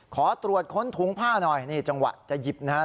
ขอตรวจค้นถุงผ้าหน่อยนี่จังหวะจะหยิบนะฮะ